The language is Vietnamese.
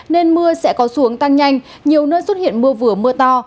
nên mưa sẽ có xuống tăng nhanh nhiều nơi xuất hiện mưa vừa mưa to